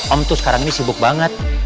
om tuh sekarang ini sibuk banget